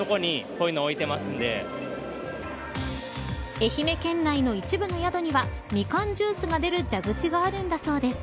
愛媛県内の一部の宿にはみかんジュースが出る蛇口があるんだそうです。